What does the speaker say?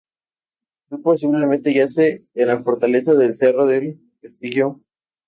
Muy posiblemente yace en la fortaleza del cerro del Castillo, actualmente en ruinas.